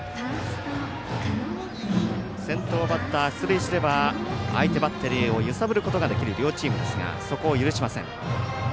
先頭バッター出塁すれば相手バッテリーを揺さぶることができる両チームですがそこを許しません。